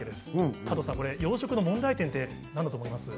加藤さん、これ養殖の問題点って何だと思います？